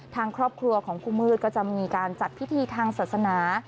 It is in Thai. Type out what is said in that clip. ทางครอบครัวของครูมืดก็จะมีการจัดพิธีทางศาสนา